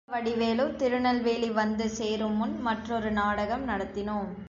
ரங்கவடிவேலு திருநெல்வேலி வந்து சேருமுன் மற்றொரு நாடகம் நடத்தினோம்.